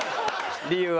理由は？